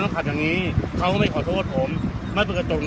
เพราะว่าระเบิดเอง